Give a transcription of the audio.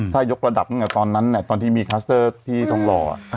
ถ้ายกระดับตอนนั้นตอนที่มีคัสเตอร์ที่ทองรอ